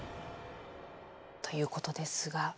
ということですが。